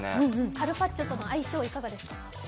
カルパッチョとの相性いかがですか？